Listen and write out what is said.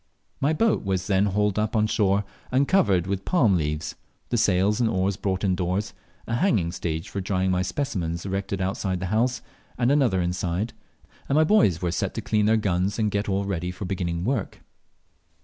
My boat was then hauled up on shore, and covered with palm leaves, the sails and oars brought indoors, a hanging stage for drying my specimens erected outside the house and another inside, and my boys were set to clean their gnus and get all ready for beginning work.